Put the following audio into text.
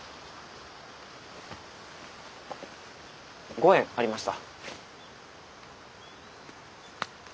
５円ありました。